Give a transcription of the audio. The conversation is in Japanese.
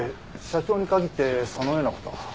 社長に限ってそのような事は。